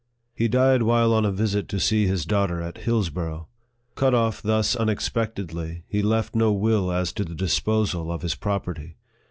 He died while on a visit to see his daughter at Hillsborough. Cut off thus unexpectedly, he left no will as to the disposal of his property.